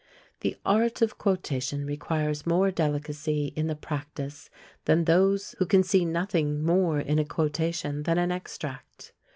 The art of quotation requires more delicacy in the practice than those conceive who can see nothing more in a quotation than an extract.